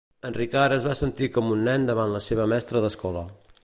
En Ricard es va sentir com un nen davant la seva mestra d'escola.